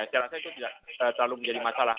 sejelasnya itu tidak terlalu menjadi masalah